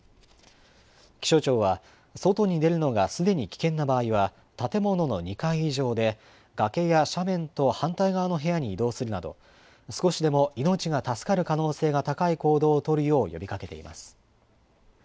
気象庁は、外に出るのがすでに危険な場合は、建物の２階以上で崖や斜面と反対側の部屋に移動するなど、少しでも命が助かる可能性が高い行動を取るよう、呼びかけています。